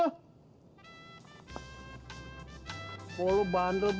udah banget lama lamashellander nih depan remek